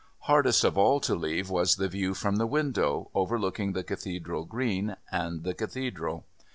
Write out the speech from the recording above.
Hardest of all to leave was the view from the window overlooking the Cathedral Green and the Cathedral.